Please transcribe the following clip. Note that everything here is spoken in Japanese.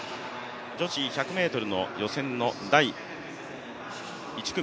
女子１００ｍの予選の第１組。